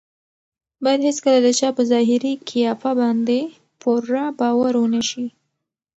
باید هېڅکله د چا په ظاهري قیافه باندې پوره باور ونه شي.